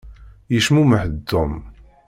Yecmumeḥ-d Tom.